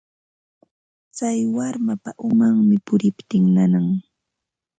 Tsay warmapa umanmi puriptin nanan.